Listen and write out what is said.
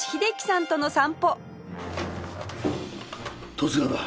十津川だ。